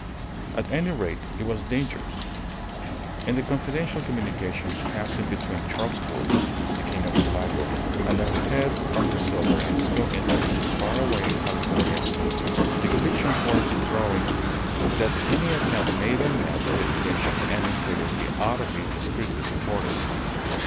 At any rate, it was dangerous. In the confidential communications passing between Charles Gould, the King of Sulaco, and the head of the silver and steel interests far away in California, the conviction was growing that any attempt made by men of education and integrity ought to be discreetly supported.